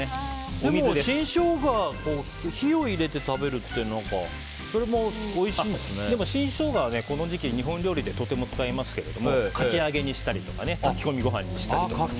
でも、新ショウガ火を入れて食べるって何か新ショウガはこの時期日本料理で使いますけどもかき揚げにしたりとか炊き込みご飯にしたり。